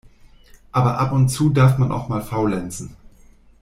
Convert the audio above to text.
Aber ab und zu darf man auch mal faulenzen.